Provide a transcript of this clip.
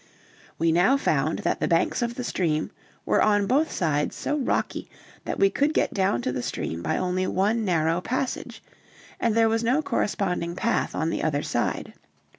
We now found that the banks of the stream were on both sides so rocky that we could get down to the stream by only one narrow passage, and there was no corresponding path on the other side.